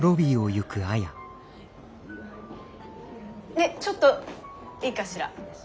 ねっちょっといいかしら。